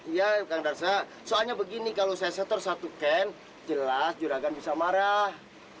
iya kang darsa soalnya begini kalau saya seter satu can jelas juragan bisa marah